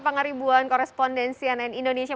pengaribuan korespondensi ann indonesia